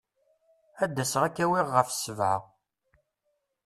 Ad d-aseɣ ad k-awiɣ ɣef sebɛa.